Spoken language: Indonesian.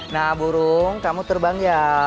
nah burung kamu terbang ya